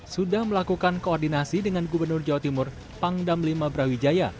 sudah melakukan koordinasi dengan gubernur jawa timur pangdam lima brawijaya